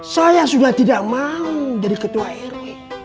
saya sudah tidak mau jadi ketua rw